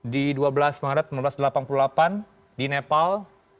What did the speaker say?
di dua belas maret seribu sembilan ratus delapan puluh delapan di nepal